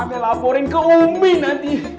sampai laporin ke umi nanti